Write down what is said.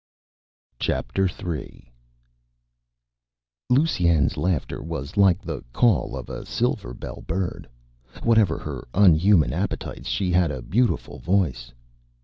III Lusine's laughter was like the call of a silverbell bird. Whatever her unhuman appetites, she had a beautiful voice.